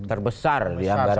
terbesar di anggarannya